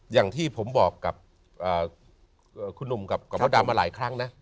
อย่างที่ผมบอกกับคุณหนุ่มกับมดดำมาหลายครั้งนะ